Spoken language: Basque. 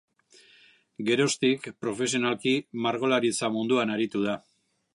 Geroztik profesionalki margolaritza munduan aritu da.